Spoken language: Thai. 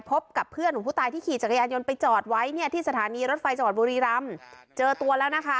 พบกับเพื่อนของผู้ตายที่ขี่จักรยานยนต์ไปจอดไว้เนี่ยที่สถานีรถไฟจังหวัดบุรีรำเจอตัวแล้วนะคะ